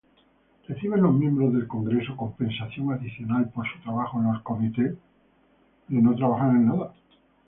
¿Reciben los miembros del Congreso compensación adicional por su trabajo en los comités?